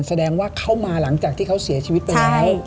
แสดงว่าเข้ามาหลังจากที่เขาเสียชีวิตไปแล้ว